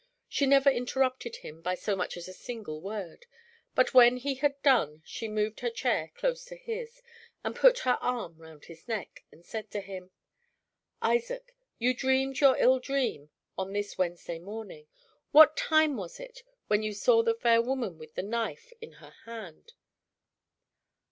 She never interrupted him by so much as a single word; but when he had done, she moved her chair close to his, put her arm round his neck, and said to him: "Isaac, you dreamed your ill dream on this Wednesday morning. What time was it when you saw the fair woman with the knife in her hand?"